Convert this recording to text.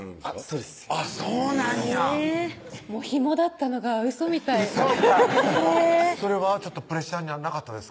そうですそうなんやへぇヒモだったのがウソみたいウソみたいそれはプレッシャーにならなかったですか？